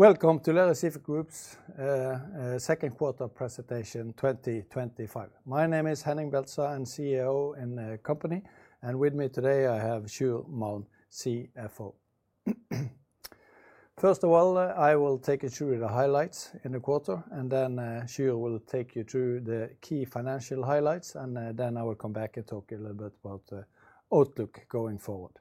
Welcome to Lerøy Seafood Group's second quarter presentation 2025. My name is Henning Beltestad, I'm CEO in the company, and with me today I have Sjur Malm, CFO. First of all, I will take you through the highlights in the quarter, and then Sjur will take you through the key financial highlights, then I will come back and talk a little bit about the outlook going forward.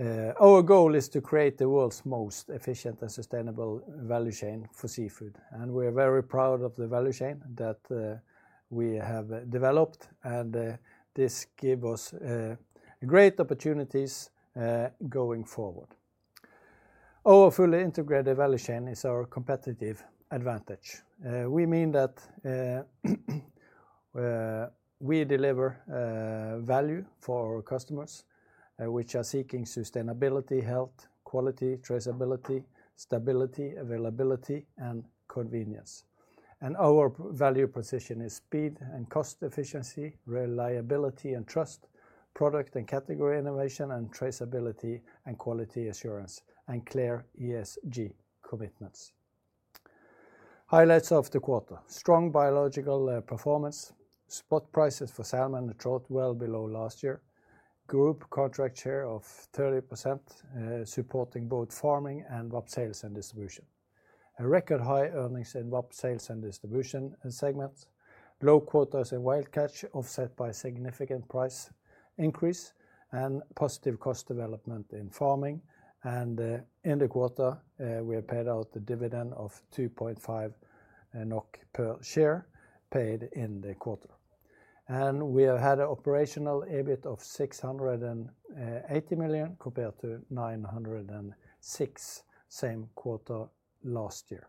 Our goal is to create the world's most efficient and sustainable value chain for seafood, and we are very proud of the value chain that we have developed. This gives us great opportunities going forward. Our fully integrated value chain is our competitive advantage. We mean that we deliver value for our customers which are seeking sustainability, health, quality, traceability, stability, availability, and convenience. Our value proposition is speed and cost efficiency, reliability and trust, product and category innovation, traceability and quality assurance, and clear ESG commitments. Highlights of the quarter: strong biological performance, spot prices for salmon and trout well below last year, group contract share of 30%, supporting both farming and VAP sales and distribution. Record high earnings in VAP sales and distribution segments, low quotas in wild catch offset by significant price increase, and positive cost development in farming. In the quarter, we have paid out the dividend of 2.5 NOK per share paid in the quarter. We have had an operational EBIT of 680 million compared to 906 million same quarter last year.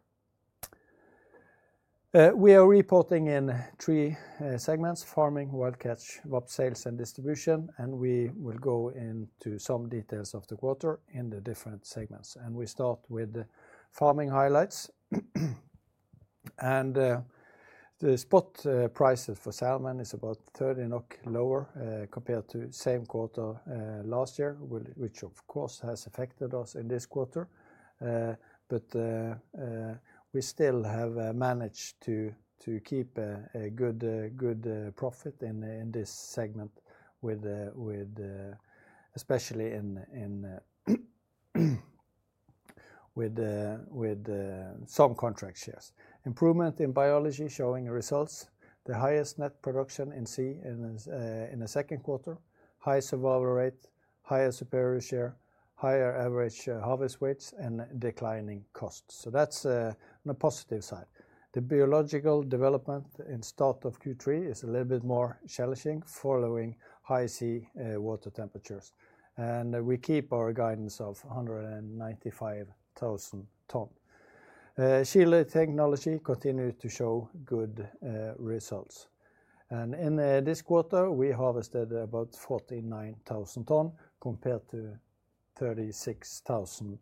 We are reporting in three segments: farming, wild catch, VAP sales and distribution, and we will go into some details of the quarter in the different segments. We start with the farming highlights. The spot prices for salmon are about 30 NOK lower compared to the same quarter last year, which of course has affected us in this quarter. We still have managed to keep a good profit in this segment, especially with subcontract shares. Improvement in biology showing results, the highest net production in sea in the second quarter, high survival rate, higher superior share, higher average harvest weights, and declining costs. That's on the positive side. The biological development in the start of Q3 is a little bit more challenging following high seawater temperatures. We keep our guidance of 195,000 ton. Shielded technology continues to show good results. In this quarter, we harvested about 49,000 ton compared to 36,000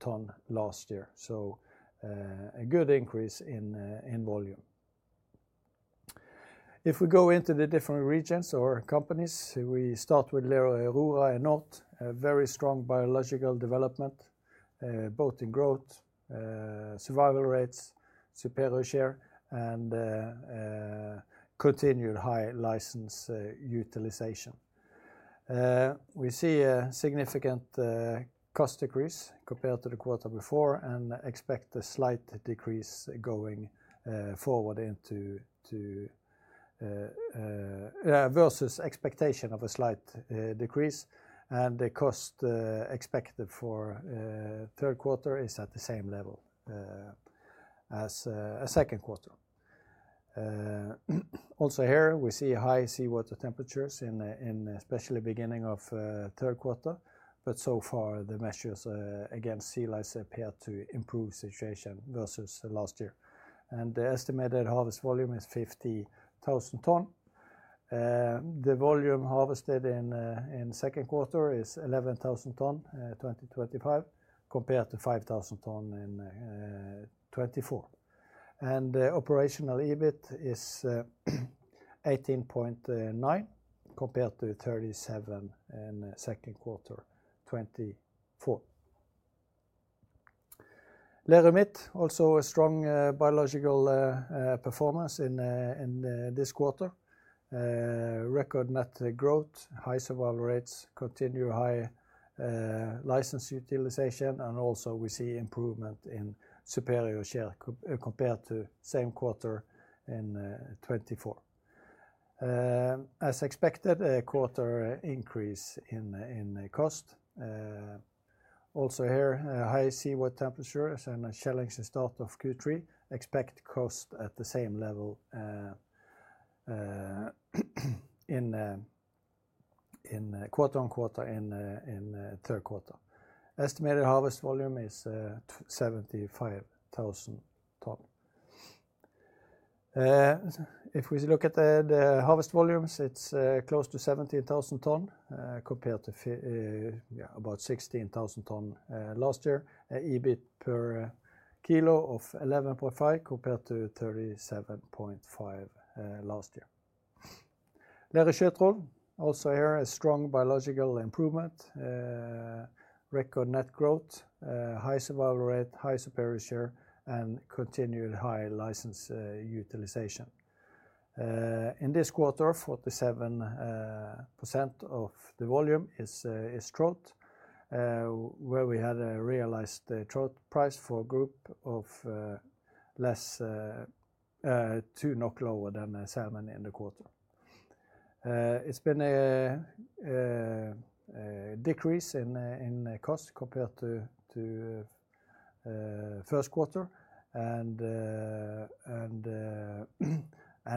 ton last year. A good increase in volume. If we go into the different regions or companies, we start with Lerøy Aurora and Noth, very strong biological development, both in growth, survival rates, superior share, and continued high license utilization. We see a significant cost decrease compared to the quarter before and expect a slight decrease going forward versus expectation of a slight decrease. The cost expected for the third quarter is at the same level as the second quarter. Also here, we see high seawater temperatures, especially in the beginning of the third quarter, but so far the measures against sea lice appear to improve the situation versus last year. The estimated harvest volume is 50,000 tons. The volume harvested in the second quarter is 11,000 tons in 2025 compared to 5,000 tons in 2024. The operational EBIT is 18.9 million compared to 37 million in the second quarter of 2024. Lerøy Midt, also a strong biological performance in this quarter. Record net growth, high survival rates, continued high license utilization, and also we see improvement in superior share compared to the same quarter in 2024. As expected, a quarter increase in cost. Also here, high seawater temperatures and challenges in the start of Q3, expect cost at the same level quarter on quarter in the third quarter. Estimated harvest volume is 75,000 tons. If we look at the harvest volumes, it's close to 70,000 tons compared to about 16,000 tons last year. EBIT per kilo of 11.5 compared to 37.5 last year. Lerøy Sjøtroll, also here a strong biological improvement. Record net growth, high survival rate, high superior share, and continued high license utilization. In this quarter, 47% of the volume is trout, where we had a realized trout price for the group of less NOK 2 lower than salmon in the quarter. It's been a decrease in cost compared to the first quarter, and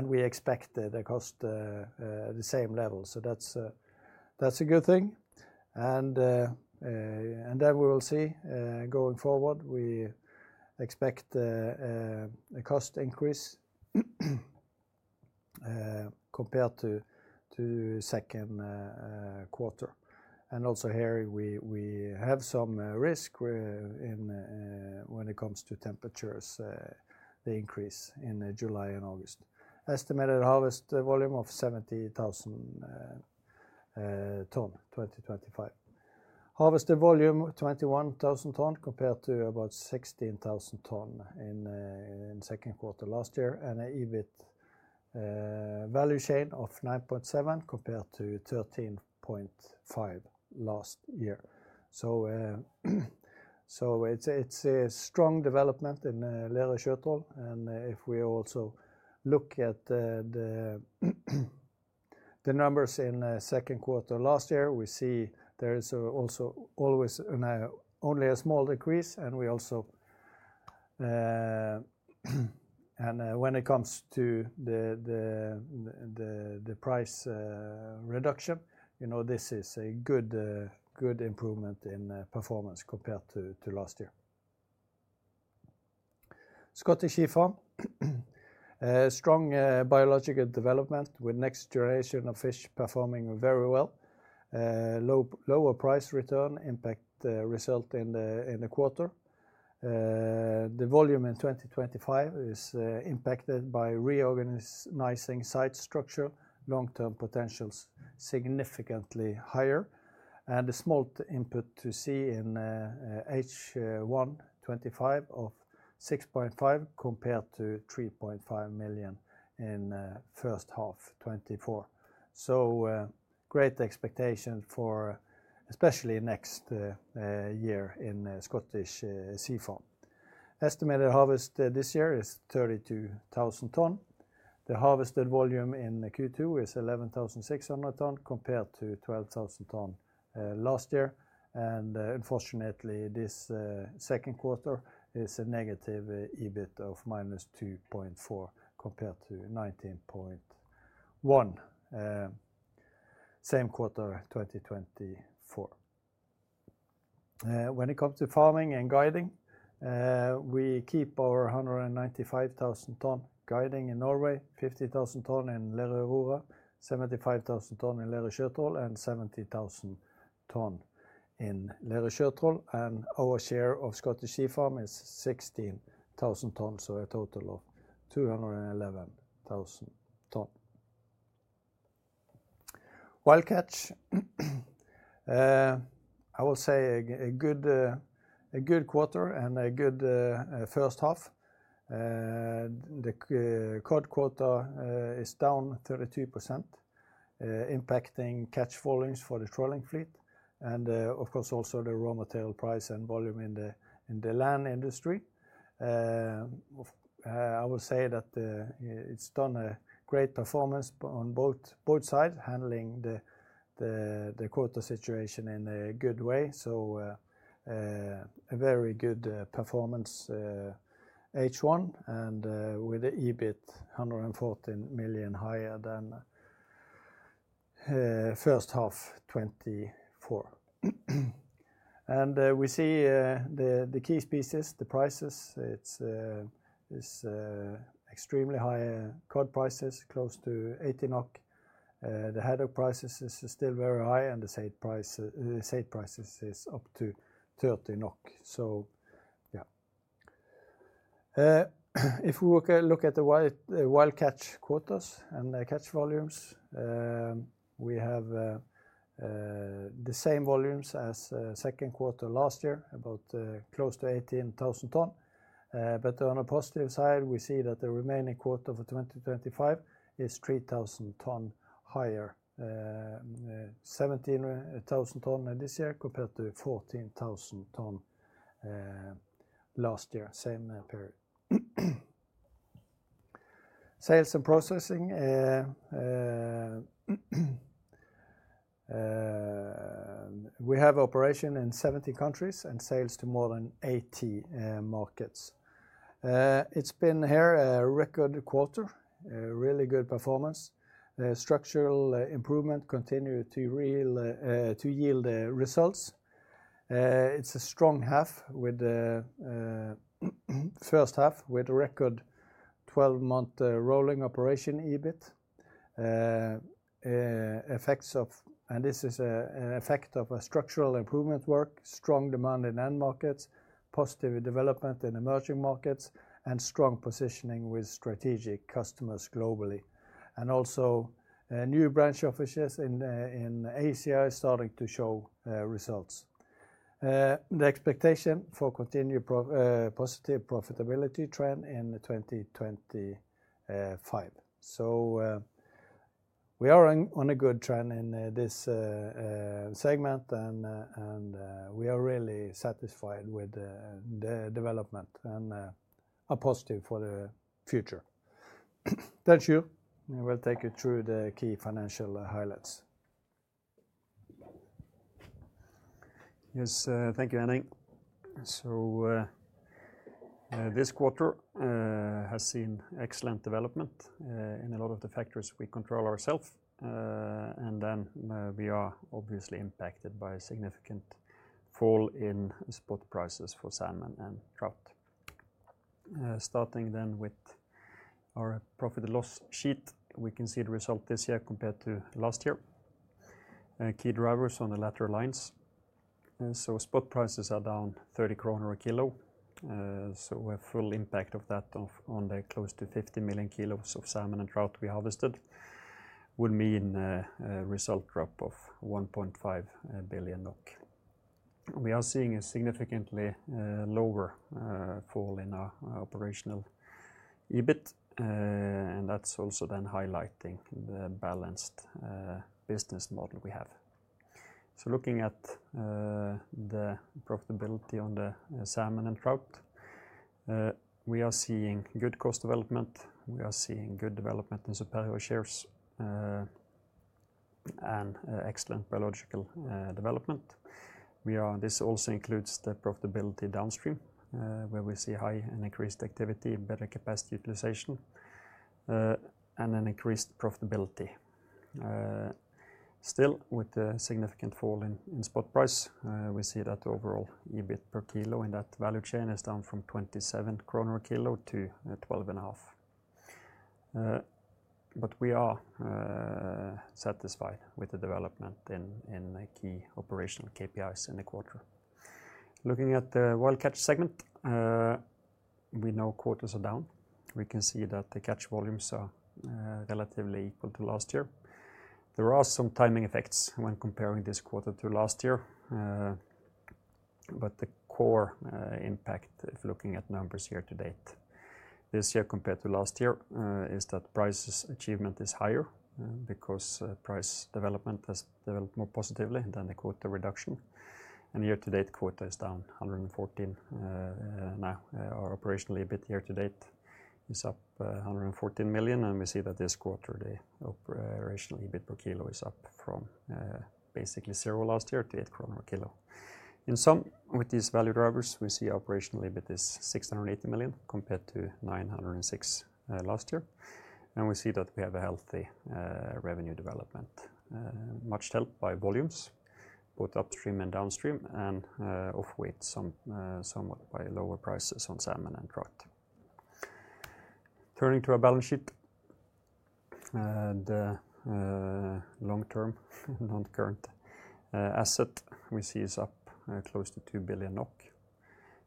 we expect the cost at the same level. That's a good thing. We will see going forward, we expect a cost increase compared to the second quarter. Also here, we have some risk when it comes to temperatures, the increase in July and August. Estimated harvest volume of 70,000 tons in 2025. Harvested volume of 21,000 tons compared to about 16,000 tons in the second quarter last year, and an EBIT value chain of 9.7 million compared to 13.5 million last year. It's a strong development in Lerøy Sjøtroll. If we also look at the numbers in the second quarter last year, we see there is always only a small decrease. We also, when it comes to the price reduction, know this is a good improvement in performance compared to last year. Scottish Sea Farm, strong biological development with next generation of fish performing very well. Lower price return impact result in the quarter. The volume in 2025 is impacted by reorganizing site structure, long-term potentials significantly higher. The small input to sea in H1 2025 is 6.5 million compared to 3.5 million in the first half of 2024. Great expectation for especially next year in Scottish Sea Farm. Estimated harvest this year is 32,000 tons. The harvested volume in Q2 is 11,600 tons compared to 12,000 tons last year. Unfortunately, this second quarter is a negative EBIT of -2.4 million compared to 19.1 million, same quarter 2024. When it comes to farming and guiding, we keep our 195,000 ton guiding in Norway, 50,000 tons in Lerøy Aurora, 75,000 tons in Lerøy Sjøtroll, and 70,000 tons in Lerøy Midt. Our share of Scottish Sea Farm is 16,000 tons, so a total of 211,000 tons. Wild catch, I will say a good quarter and a good first half. The cod quota is down 32%, impacting catch volumes for the trawling fleet. Of course, also the raw material price and volume in the land industry. I will say that it's done a great performance on both sides, handling the quota situation in a good way. A very good performance H1, with the EBIT 114 million higher than first half 2024. We see the key species, the prices. It's extremely high cod prices, close to 80 NOK. The haddock prices are still very high, and the saithe prices are up to NOK 30. If we look at the wild catch quotas and the catch volumes, we have the same volumes as the second quarter last year, about close to 18,000 tons. On the positive side, we see that the remaining quarter for 2025 is 3,000 tons higher. 17,000 tons this year compared to 14,000 tons last year, same period. Sales and processing, we have operations in 70 countries and sales to more than 80 markets. It's been a record quarter, really good performance. The structural improvement continues to yield results. It's a strong half with the first half with a record 12-month rolling operational EBIT. This is an effect of a structural improvement work, strong demand in end markets, positive development in emerging markets, and strong positioning with strategic customers globally. New branch offices in Asia are starting to show results. The expectation for continued positive profitability trend in 2025. We are on a good trend in this segment, and we are really satisfied with the development and are positive for the future. Thanks, Sjur. I will take you through the key financial highlights. Yes, thank you, Henning. This quarter has seen excellent development in a lot of the factors we control ourselves. We are obviously impacted by a significant fall in spot prices for salmon and trout. Starting with our profit and loss sheet, we can see the result this year compared to last year. Key drivers on the lateral lines. Spot prices are down 30 kroner a kilo. We have full impact of that on the close to 50 million kgs of salmon and trout we harvested, which would mean a result drop of 1.5 billion NOK. We are seeing a significantly lower fall in our operational EBIT, and that is also highlighting the balanced business model we have. Looking at the profitability on the salmon and trout, we are seeing good cost development. We are seeing good development in superior shares and excellent biological development. This also includes the profitability downstream, where we see high and increased activity, better capacity utilization, and an increased profitability. Still, with a significant fall in spot price, we see that overall EBIT per kilo in that value chain is down from 27 kroner a kg to 12.5. We are satisfied with the development in key operational KPIs in the quarter. Looking at the wild catch segment, we know quotas are down. We can see that the catch volumes are relatively equal to last year. There are some timing effects when comparing this quarter to last year, but the core impact, if looking at numbers year to date, this year compared to last year, is that price achievement is higher because price development has developed more positively than the quota reduction. Year-to-date quota is down 114 now. Our operational EBIT year to date is up 114 million, and we see that this quarter the operational EBIT per kilo is up from basically zero last year to 8 kroner/kg. In sum, with these value drivers, we see operational EBIT is 680 million compared to 906 million last year. We see that we have a healthy revenue development, much helped by volumes, both upstream and downstream, and offset somewhat by lower prices on salmon and trout. Turning to our balance sheet, the long-term, non-current asset we see is up close to 2 billion NOK.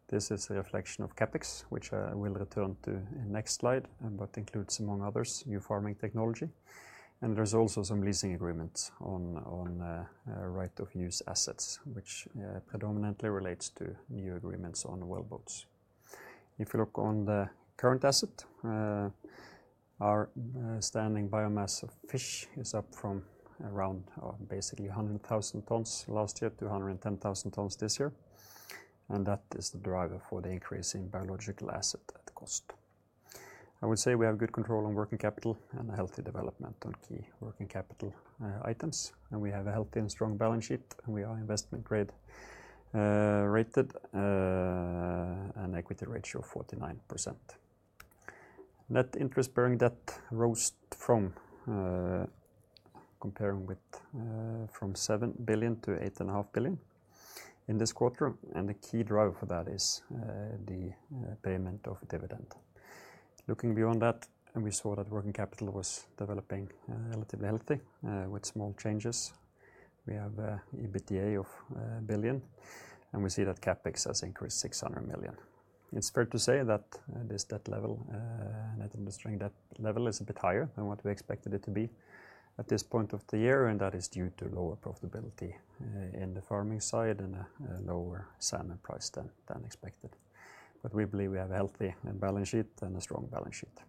This is a reflection of CapEx, which I will return to in the next slide, but includes, among others, new farming technology. There are also some leasing agreements on right-of-use assets, which predominantly relates to new agreements on well boats. If you look on the current asset, our standing biomass of fish is up from around basically 100,000 tons last year to 110,000 tons this year. That is the driver for the increase in biological asset at cost. I would say we have good control on working capital and a healthy development on key working capital items. We have a healthy and strong balance sheet, and we are investment-grade rated, and equity ratio of 49%. Net interest-bearing debt rose from, comparing with, from 7 billion to 8.5 billion in this quarter. The key driver for that is the payment of a dividend. Looking beyond that, we saw that working capital was developing relatively healthy with small changes. We have an EBITDA of 1 billion, and we see that CapEx has increased 600 million. It's fair to say that this debt level, net interest-bearing debt level, is a bit higher than what we expected it to be at this point of the year, and that is due to lower profitability in the farming side and a lower salmon price than expected. We believe we have a healthy balance sheet and a strong balance sheet.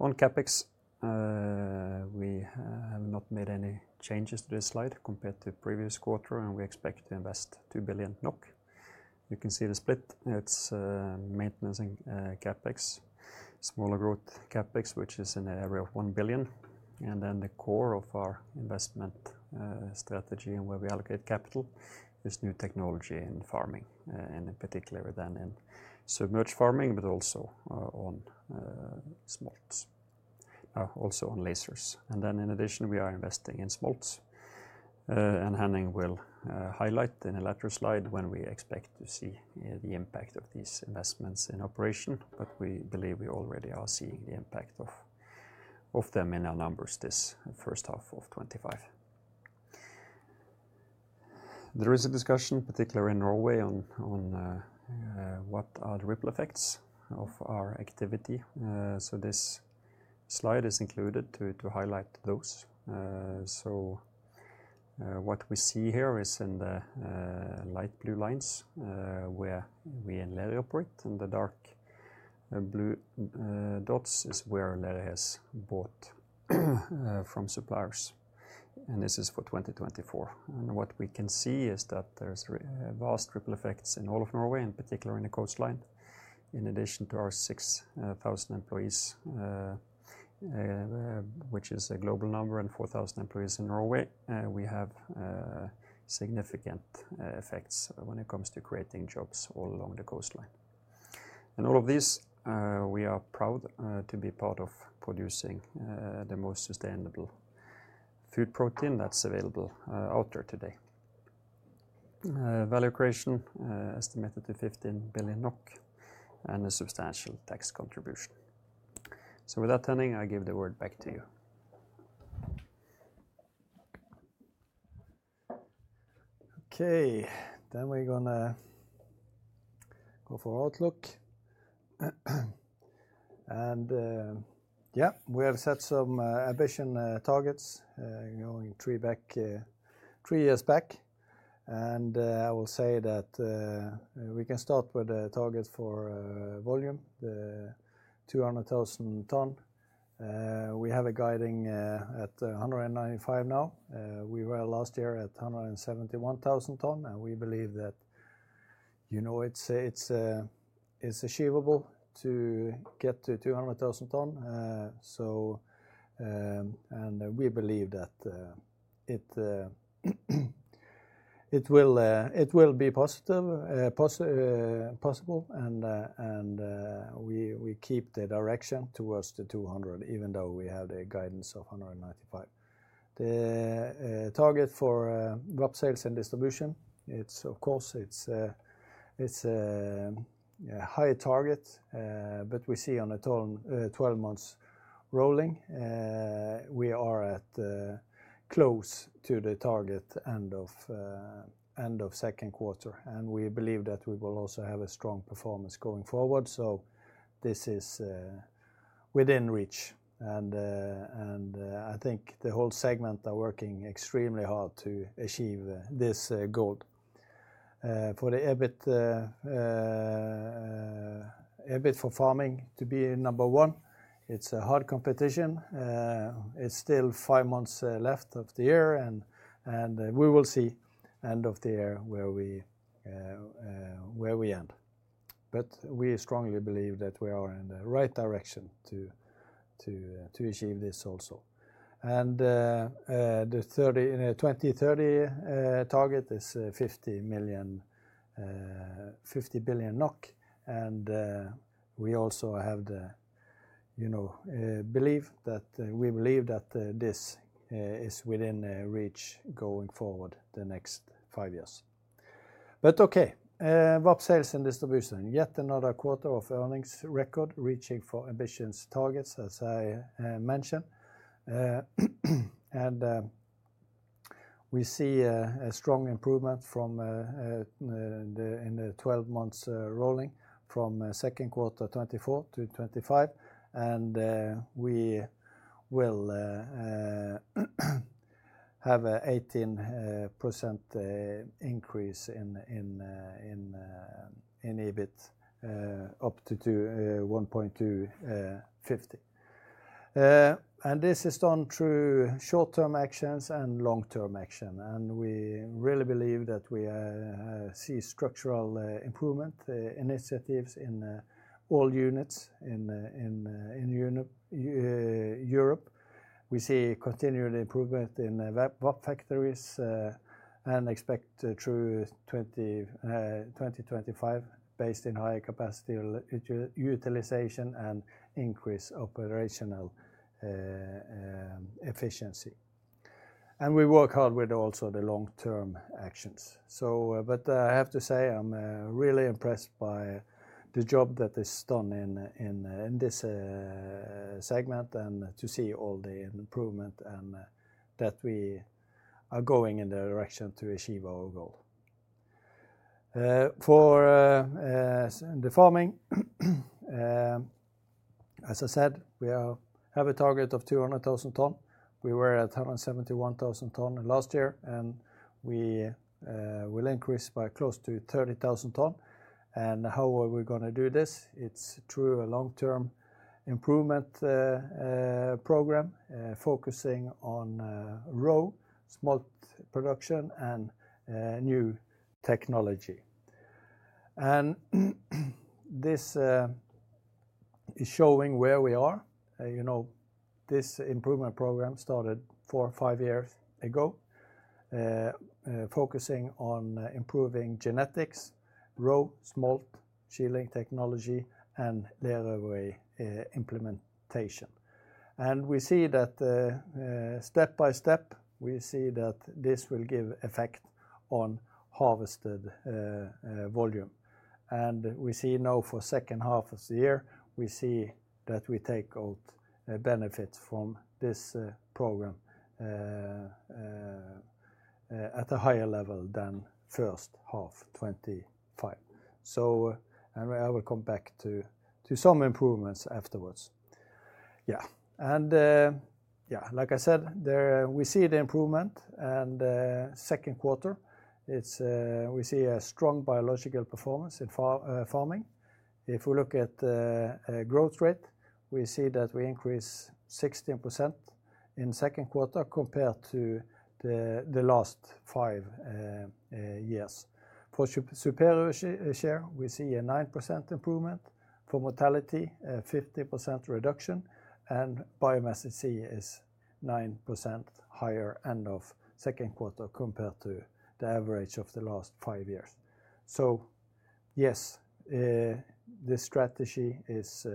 On CapEx, we have not made any changes to this slide compared to the previous quarter, and we expect to invest 2 billion NOK. You can see the split. It's maintenance and CapEx, smaller growth CapEx, which is in the area of 1 billion. The core of our investment strategy and where we allocate capital is new technology in farming, and in particular then in submerged farming, but also on smolts, also on lasers. In addition, we are investing in smolts. Henning will highlight in a later slide when we expect to see the impact of these investments in operation, but we believe we already are seeing the impact of them in our numbers this first half of 2025. There is a discussion, particularly in Norway, on what are the ripple effects of our activity. This slide is included to highlight those. What we see here is in the light blue lines where we in Lerøy operate, and the dark blue dots is where Lerøy has bought from suppliers. This is for 2024. What we can see is that there's vast ripple effects in all of Norway, in particular in the coastline. In addition to our 6,000 employees, which is a global number, and 4,000 employees in Norway, we have significant effects when it comes to creating jobs all along the coastline. All of these, we are proud to be part of producing the most sustainable food protein that's available out there today. Value creation estimated to 15 billion NOK and a substantial tax contribution. With that, Henning, I give the word back to you. Okay. We are going to go for outlook. We have set some ambition targets going three years back. I will say that we can start with the targets for volume, the 200,000 ton. We have a guiding at 195 now. We were last year at 171,000 ton, and we believe that it's achievable to get to 200,000 ton. We believe that it will be possible. We keep the direction towards the 200, even though we have the guidance of 195. The target for VAP sales and distribution, it's of course, it's a high target, but we see on the 12 months rolling, we are at close to the target end of second quarter. We believe that we will also have a strong performance going forward. This is within reach. I think the whole segment is working extremely hard to achieve this goal. For the EBIT for farming to be number one, it's a hard competition. It's still five months left of the year, and we will see the end of the year where we end. We strongly believe that we are in the right direction to achieve this also. The 2030 target is 50 billion NOK. We also have the, you know, believe that we believe that this is within reach going forward the next five years. VAP sales and distribution, yet another quarter of earnings record reaching for ambition targets, as I mentioned. We see a strong improvement in the 12 months rolling from second quarter 2024 to 2025. We will have an 18% increase in EBIT up to 1.250. This is done through short-term actions and long-term actions. We really believe that we see structural improvement initiatives in all units in Europe. We see continued improvement in VAP factories and expect through 2025 based on higher capacity utilization and increased operational efficiency. We work hard with also the long-term actions. I have to say, I'm really impressed by the job that is done in this segment and to see all the improvement and that we are going in the direction to achieve our goal. For the farming, as I said, we have a target of 200,000 ton. We were at 171,000 ton last year, and we will increase by close to 30,000 ton. How are we going to do this? It's through a long-term improvement program focusing on roe, smolt production, and new technology. This is showing where we are. This improvement program started four or five years ago, focusing on improving genetics, roe, smolt, shielding technology, and Lerøy implementation. We see that step by step, this will give effect on harvested volume. We see now for the second half of the year, we take out benefits from this program at a higher level than first half 2025. We have come back to some improvements afterwards. Like I said, we see the improvement. In second quarter, we see a strong biological performance in farming. If we look at the growth rate, we increased 16% in the second quarter compared to the last five years. For superior share, we see a 9% improvement. For mortality, a 50% reduction. Biomass at sea is 9% higher end of second quarter compared to the average of the last five years. Yes, this strategy is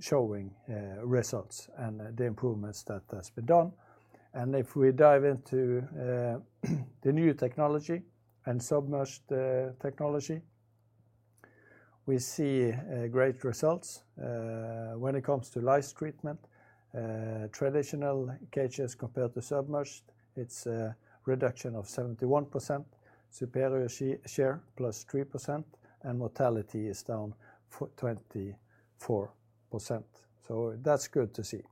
showing results and the improvements that have been done. If we dive into the new technology and submerged technology, we see great results when it comes to lice treatment. Traditional cages compared to submerged, it's a reduction of 71%. Superior share plus 3%, and mortality is down 24%. That's good to see.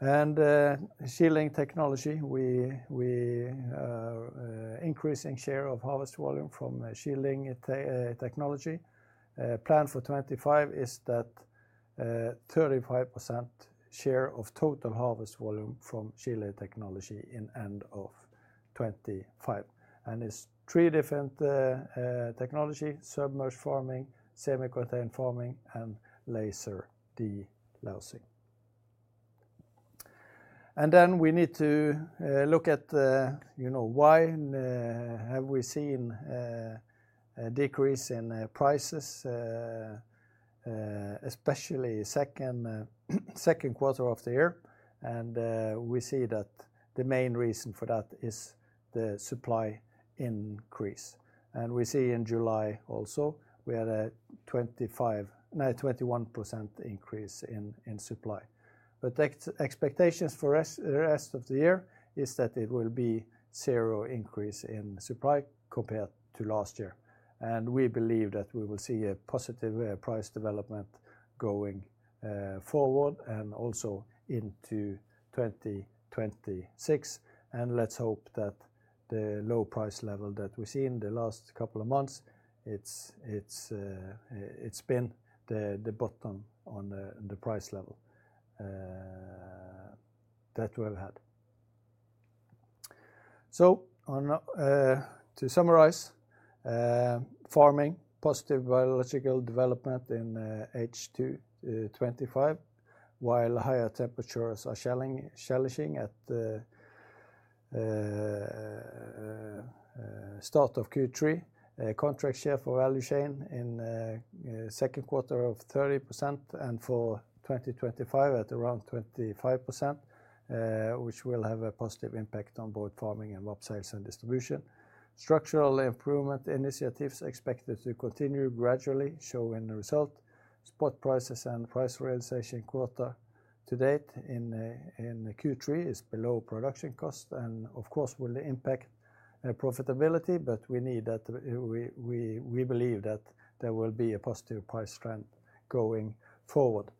Shielding technology, we increase in share of harvest volume from shielding technology. Plan for 2025 is that 35% share of total harvest volume from shielding technology in the end of 2025. It's three different technologies: submerged farming, semi-contained farming, and laser de-lousing. We need to look at why have we seen a decrease in prices, especially second quarter of the year. We see that the main reason for that is the supply increase. We see in July also, we had a 21% increase in supply. The expectations for the rest of the year is that it will be a zero increase in supply compared to last year. We believe that we will see a positive price development going forward and also into 2026. Let's hope that the low price level that we've seen the last couple of months, it's been the bottom on the price level that we've had. To summarize, farming, positive biological development in H2 2025, while higher temperatures are challenging at the start of Q3, contract share for value chain in the second quarter of 30%, and for 2025 at around 25%, which will have a positive impact on both farming and VAP sales and distribution. Structural improvement initiatives expected to continue gradually showing the result. Spot prices and price realization quota to date in Q3 is below production cost and, of course, will impact profitability, but we believe that there will be a positive price trend going forward.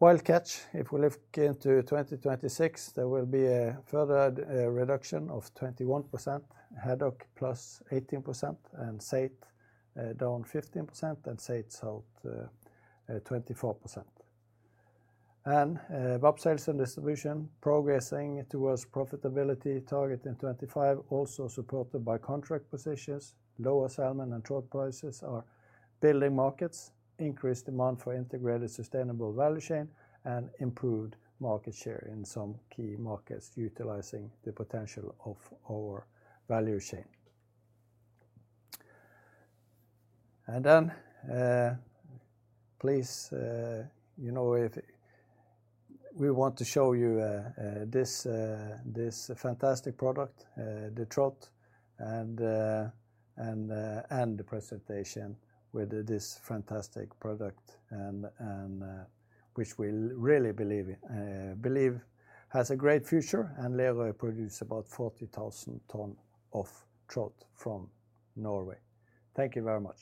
Wild catch, if we look into 2026, there will be a further reduction of 21%. Haddock plus 18% and saithe down 15% and saithe salt 24%. VAP sales and distribution progressing towards profitability target in 2025, also supported by contract positions. Lower salmon and trout prices are building markets, increased demand for integrated sustainable value chain, and improved market share in some key markets utilizing the potential of our value chain. Please, if we want to show you this fantastic product, the trout, and end the presentation with this fantastic product, which we really believe has a great future, and Lerøy produces about 40,000 tons of trout from Norway. Thank you very much.